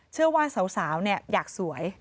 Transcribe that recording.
เชื่อว่าสาวอยากสวย